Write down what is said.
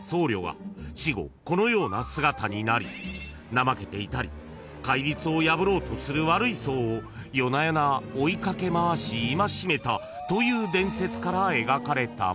［怠けていたり戒律を破ろうとする悪い僧を夜な夜な追い掛け回し戒めたという伝説から描かれたもの］